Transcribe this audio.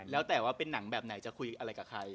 แล้วแต่ว่าเป็นหนังแบบไหนจะคุยอะไรกับใคร